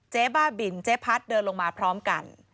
บ้าบินเจ๊พัดเดินลงมาพร้อมกัน